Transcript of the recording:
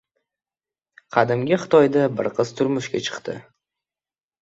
Qadimgi Xitoyda bir qiz turmushga chiqdi.